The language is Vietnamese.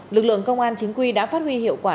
lực lượng công an chính quy đã phát huy hiệu quả